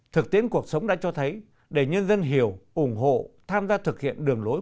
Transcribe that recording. thực tiễn cuộc sống đã cho thấy để nhân dân hiểu ủng hộ tham gia thực hiện đường lối